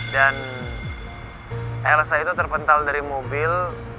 dan elsa itu terpental dari mobil